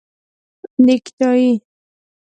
👔 نیکټایې